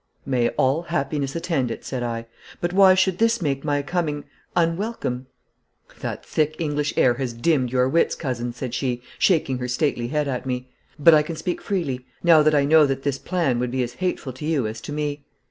'May all happiness attend it!' said I. 'But why should this make my coming unwelcome?' 'That thick English air has dimmed your wits, cousin,' said she, shaking her stately head at me. 'But I can speak freely now that I know that this plan would be as hateful to you as to me.